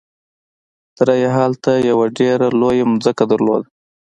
تره يې هلته يوه ډېره لويه ځمکه درلوده.